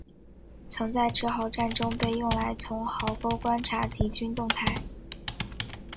曾在堑壕战中被用来从壕沟观察敌军动态。